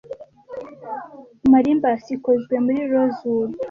Marimbas ikozwe muri rosewood.